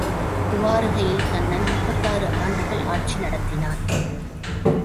துவாரகையில் கண்ணன் முப்பத்தாறு ஆண்டுகள் ஆட்சி நடத்தினான்.